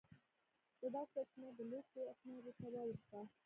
د واک سرچینه د لیک شوو اسنادو ته واوښته.